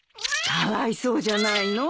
かわいそうじゃないの。